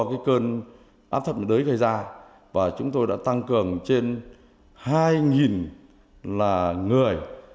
do cơn áp thấp nhiệt đới gây ra và chúng tôi đã tăng cường trên hai là người